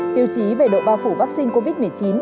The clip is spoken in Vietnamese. tiêu chí về độ bao phủ vaccine covid một mươi chín